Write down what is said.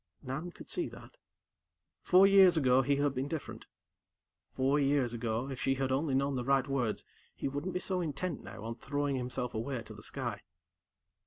Nan could see that. Four years ago, he had been different. Four years ago, if she had only known the right words, he wouldn't be so intent now on throwing himself away to the sky.